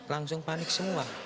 langsung panik semua